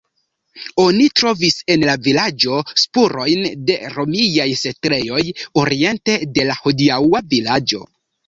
Oni trovis en la vilaĝo spurojn de romiaj setlejoj oriente de la hodiaŭa vilaĝo.